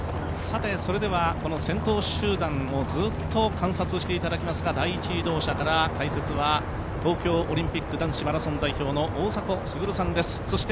それでは、この先頭集団をずっと観察していきますが第１移動車から、解説は東京オリンピック男子マラソン代表の大迫傑さんです。